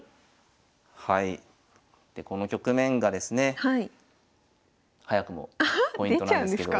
はいでこの局面がですね早くもポイントなんですけど。